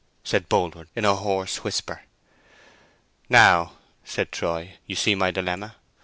said Boldwood, in a hoarse whisper. "Now," said Troy, "you see my dilemma.